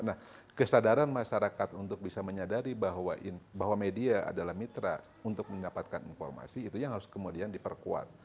nah kesadaran masyarakat untuk bisa menyadari bahwa media adalah mitra untuk mendapatkan informasi itu yang harus kemudian diperkuat